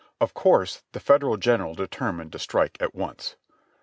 Of course the Federal general determined to strike at once.